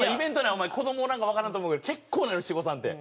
お前子どもおらんからわからんと思うけど結構なのよ七五三って。